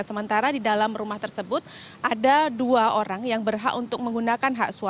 sementara di dalam rumah tersebut ada dua orang yang berhak untuk menggunakan hak suara